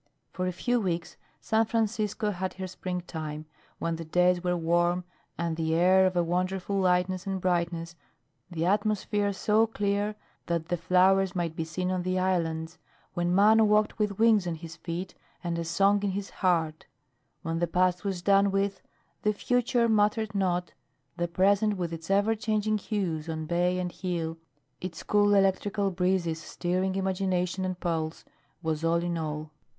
For a few weeks San Francisco had her springtime, when the days were warm and the air of a wonderful lightness and brightness, the atmosphere so clear that the flowers might be seen on the islands, when man walked with wings on his feet and a song in his heart; when the past was done with, the future mattered not, the present with its ever changing hues on bay and hill, its cool electrical breezes stirring imagination and pulse, was all in all.